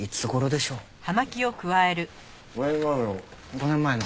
５年前の。